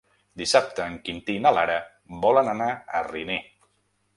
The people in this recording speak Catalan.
Dissabte en Quintí i na Lara volen anar a Riner.